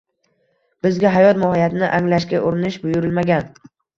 Bizga hayot mohiyatini anglashga urinish buyurilmagan.